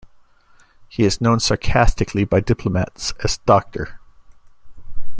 He is known sarcastically by diplomats as 'Dr.